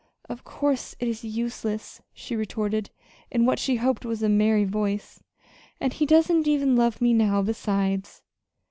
"Of course it is useless," she retorted in what she hoped was a merry voice. "And he doesn't even love me now, besides."